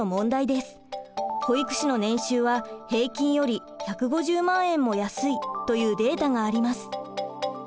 保育士の年収は平均より１５０万円も安いというデータがあります。